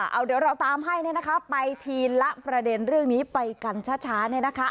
เอาเดี๋ยวเราตามให้ไปทีละประเด็นเรื่องนี้ไปกันช้า